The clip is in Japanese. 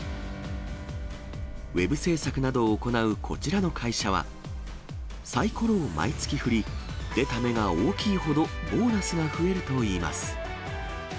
ウェブ制作などを行うこちらの会社は、さいころを毎月振り、出た目が大きいほどボーナスが増えるといいます。